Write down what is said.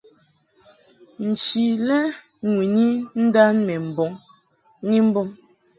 Nchi lɛ ŋwini ndan ni mbɔŋ.